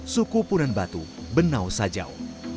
suku punan batu benau sajau